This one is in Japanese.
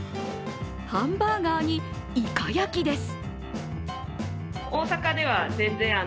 ハンバーガーに、いか焼きです。